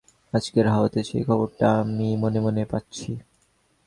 আজকের হাওয়াতে সেই খবরটা আমি মনে মনে পাচ্ছি।